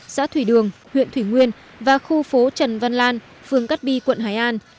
xã thủy đường huyện thủy nguyên và khu phố trần văn lan phường cát bi quận hải an